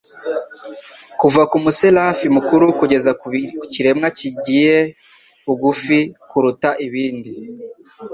Kuva ku Muserafi mukuru kugeza ku kiremwa gieiye bugufi kuruta ibindi,